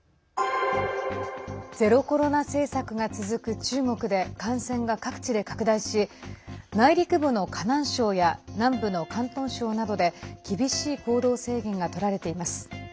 ゼロコロナ政策が続く中国で感染が各地で拡大し内陸部の河南省や南部の広東省などで厳しい行動制限がとられています。